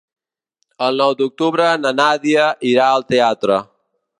El nou d'octubre na Nàdia irà al teatre.